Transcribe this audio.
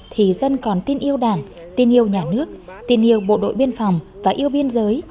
thì dân còn tin yêu đảng tin yêu nhà nước tin yêu bộ đội biên phòng và yêu biên giới